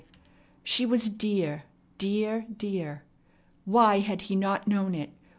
She was dear, dear, dear! Why had he not known it?